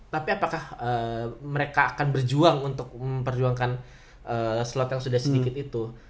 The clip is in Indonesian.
tapi apakah mereka akan berjuang untuk memperjuangkan slot yang sudah sedikit itu